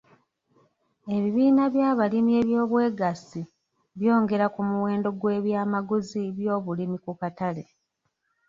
Ebibiina by'abalimi eby'obwegassi byongera ku muwendo gw'eby'amaguzi by'obulimi ku katale.